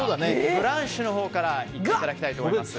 ブランシュのほうからいっていただきたいと思います。